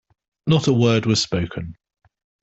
Not a word was spoken.